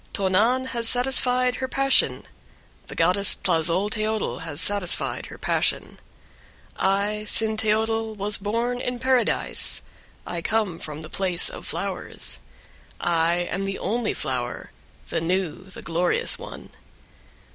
2. Tonan has satisfied her passion, the goddess Tlazolteotl has satisfied her passion. 3. I, Cinteotl, was born in Paradise, I come from the place of flowers. I am the only flower, the new, the glorious one.